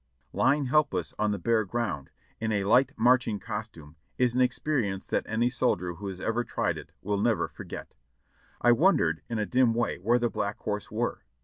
Lying helpless on the bare ground in a light marching costume is an experience that any soldier who has ever tried it will never forget. I wondered in a dim way where the Black Horse were?